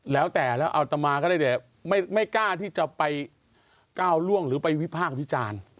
แล้วแต่แล้วอัตมาก็ได้แต่ไม่กล้าที่จะไปก้าวล่วงหรือไปวิพากษ์วิจารณ์